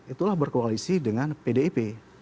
itulah berkoalisi dengan pdip